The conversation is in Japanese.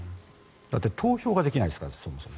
だって投票ができないですからそもそも。